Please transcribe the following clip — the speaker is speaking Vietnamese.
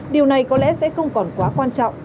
điều này có lẽ sẽ không còn quá quan trọng